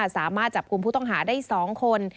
สามารถจับกลุ่มผู้ต้องหาได้๒คน